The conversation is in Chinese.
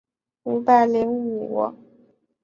大叶银背藤是旋花科银背藤属的植物。